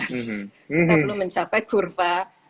kita belum mencapai kurva